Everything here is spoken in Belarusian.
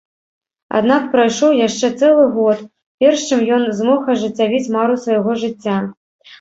Аднак прайшоў яшчэ цэлы год, перш чым ён змог ажыццявіць мару свайго жыцця.